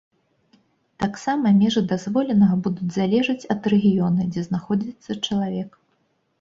Таксама межы дазволенага будуць залежаць ад рэгіёна, дзе знаходзіцца чалавек.